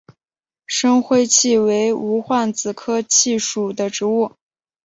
深灰槭为无患子科槭属的植物。